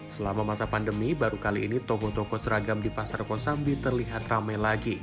selama masa pandemi baru kali ini toko toko seragam di pasar kosambi terlihat ramai lagi